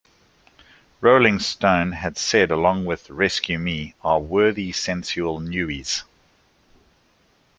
"Rolling Stone" had said along with "Rescue Me" are "worthy sensual newies".